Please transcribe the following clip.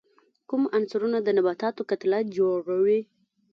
کوم عنصرونه د نباتاتو کتله جوړي؟